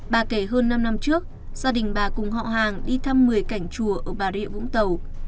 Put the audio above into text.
bà kể hơn năm năm trước gia đình bà cùng họ hàng đi thăm một mươi cảnh chùa ở bà rịa vũng tàu